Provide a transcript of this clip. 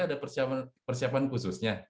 ada persiapan khususnya